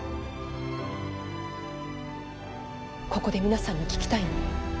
ここで皆さんに聞きたいの。